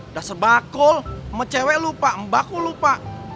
udah sebakul sama cewek lupa mbakul lupa